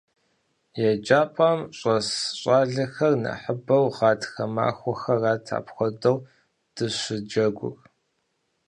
ЕджапӀэм щӏэс щӀалэхэр нэхъыбэу гъатхэ махуэхэрат апхуэдэу дыщыджэгур.